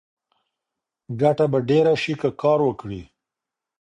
ګټه به ډېره شي که کار وکړې.